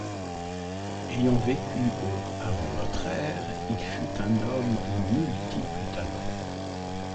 Ayant vécu au avant notre ère, il fut un homme aux multiples talents.